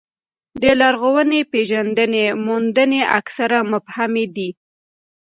د لرغونپېژندنې موندنې اکثره مبهمې دي.